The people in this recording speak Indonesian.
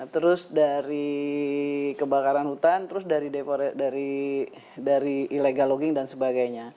terus dari kebakaran hutan terus dari illegal logging dan sebagainya